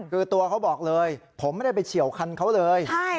คือตัวเขาบอกเลยผมไม่ได้ไปเฉียวคันเขาเลย